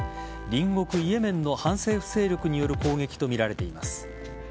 隣国・イエメンの反政府勢力による攻撃とみられています。